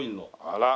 あら。